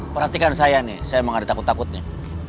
perhatikan saya nih saya emang ada takut takut nih